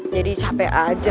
jadi capek aja